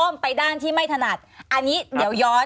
ไปด้านที่ไม่ถนัดอันนี้เดี๋ยวย้อน